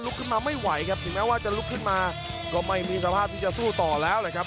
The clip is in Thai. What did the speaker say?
ถึงแม้ว่าจะลุกขึ้นมาก็ไม่มีสภาพที่จะสู้ต่อแล้วนะครับ